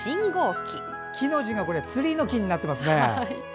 「機」の字がツリーの「木」になってますね。